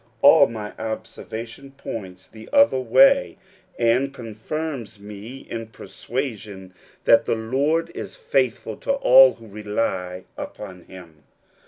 All my observation points the other way, and con firms me in the persuasion that the Lord is faithful to all who rely upon him.